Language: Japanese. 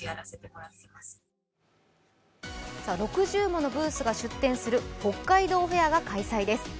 ６０ものブースが出店する北海道フェアが開催です。